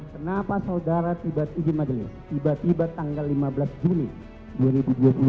kenapa saudara tiba di majelis tiba tiba tanggal lima belas juni dua ribu dua puluh